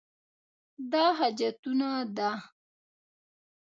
دا حاجتونه ده.